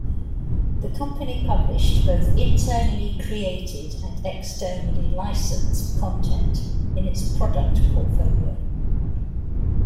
The company published both internally created and externally licensed content in its product portfolio.